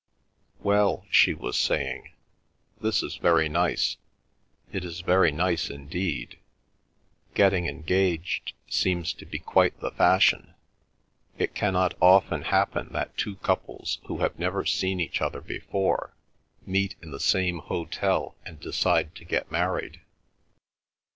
"Well," she was saying, "this is very nice. It is very nice indeed. Getting engaged seems to be quite the fashion. It cannot often happen that two couples who have never seen each other before meet in the same hotel and decide to get married."